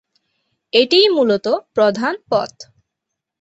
এটিই মূলত প্রধান পথ।